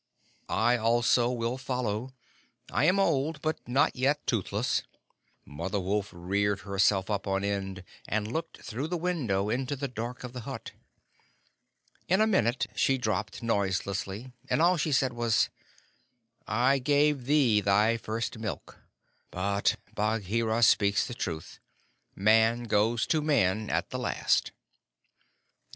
"I also will follow. I am old, but not yet toothless." Mother Wolf reared herself up on end, and looked through the window into the dark of the hut. In a minute she dropped noiselessly, and all she said was: "I gave thee thy first milk; but Bagheera speaks truth: Man goes to Man at the last."